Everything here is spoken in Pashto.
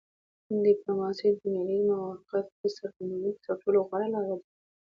ډیپلوماسي د ملي موقف د څرګندولو تر ټولو غوره لار ده